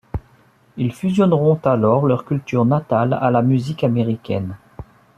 Ils fusionneront alors leur culture natale à la musique américaine.